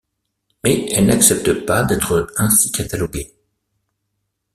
Mais elle n'accepte pas d'être ainsi cataloguée.